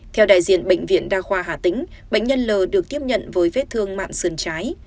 theo đại diện bệnh viện đa khoa hà tĩnh bệnh nhân l được tiếp nhận với vết thương mạng sườn trái